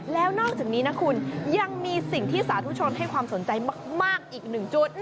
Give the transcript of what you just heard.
แล้วนอกจากนี้นะคุณยังมีสิ่งที่สาธุชนให้ความสนใจมากอีกหนึ่งจุด